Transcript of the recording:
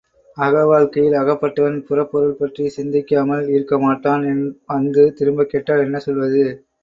அக வாழ்க்கையில் அகப்பட்டவன் புறப்பொருள் பற்றிச் சிந்திக்காமல் இருக்கமாட்டான் வந்து திரும்பக் கேட்டால் என்ன சொல்வது?